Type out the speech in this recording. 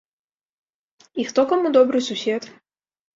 І хто каму добры сусед?